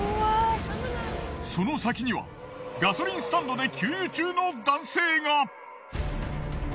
その先にはガソリンスタンドで給油中の男性が。